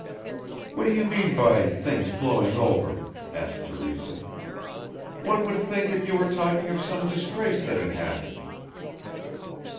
"What do you mean by things blowing over?" asked Teresa. "One would think that you were talking of some disgrace that had happened."